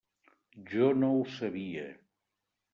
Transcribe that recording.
Jo no ho sabia.